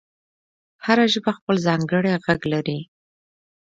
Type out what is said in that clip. هره ژبه خپل ځانګړی غږ لري.